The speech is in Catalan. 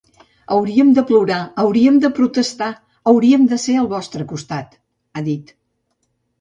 Hauríem de plorar, hauríem de protestar, hauríem de ser al vostre costat, ha dit.